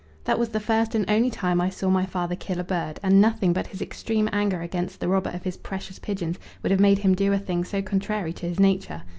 That was the first and only time I saw my father kill a bird, and nothing but his extreme anger against the robber of his precious pigeons would have made him do a thing so contrary to his nature.